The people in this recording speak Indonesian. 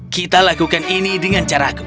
kita lakukan ini dengan caraku